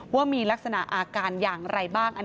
ว่ามีลักษณะอาการอย่างไรบ้าง